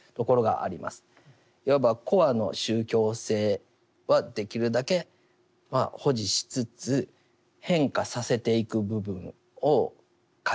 いわばコアの宗教性はできるだけ保持しつつ変化させていく部分を変えていくというところですよね。